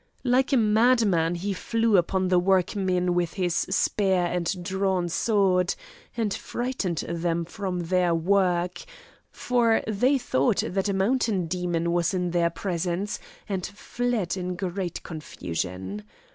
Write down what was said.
Like a madman he flew upon the workmen with his spear and drawn sword, and frightened them from their work; for they thought that a mountain demon was in their presence and fled in great confusion.